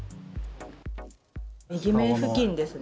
右目付近ですね。